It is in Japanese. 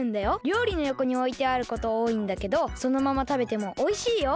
りょうりのよこにおいてあることおおいんだけどそのままたべてもおいしいよ。